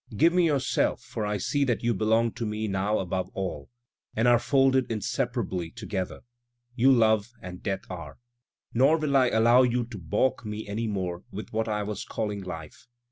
Give me yourself, for I see that you belong to me now above all, and are folded inseparably together, you love and death are, Nor will I allow you to balk me any more with what I was calling life.